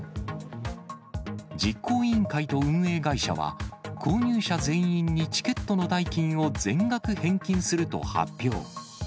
実行委員会と運営会社は、購入者全員にチケットの代金を全額返金すると発表。